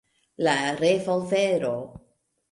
La revolvero.